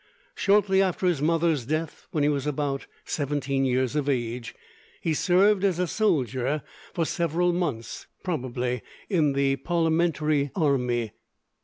Shortly after his mother's death, when he was about seventeen years of age, he served as a soldier for several months, probably in the Parliamentary army.